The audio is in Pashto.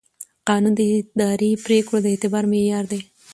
قانون د اداري پرېکړو د اعتبار معیار دی.